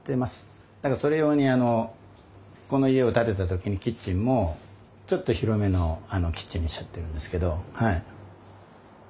それ用にこの家を建てた時にキッチンもちょっと広めのキッチンにしちゃってるんですけどはい。